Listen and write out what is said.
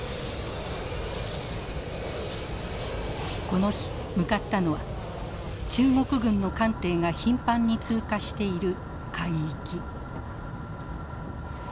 この日向かったのは中国軍の艦艇が頻繁に通過している海域。